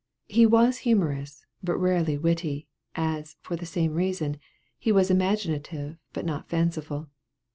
He was humorous, but rarely witty, as, for the same reason, he was imaginative but not fanciful.